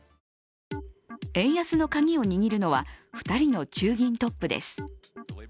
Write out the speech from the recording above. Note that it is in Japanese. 円安のカギを握るのは２人の中銀トップです。